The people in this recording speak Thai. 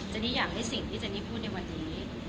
นี่อยากให้สิ่งที่เจนี่พูดในวันนี้